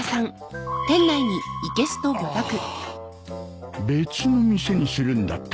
ああ別の店にするんだったな